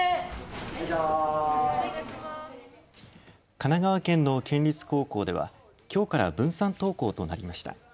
神奈川県の県立高校ではきょうから分散登校となりました。